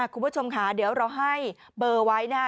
คุณผู้ชมค่ะเดี๋ยวเราให้เบอร์ไว้นะฮะ